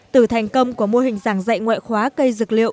từ thành công của mô hình giảng dạy ngoại khóa cây dược liệu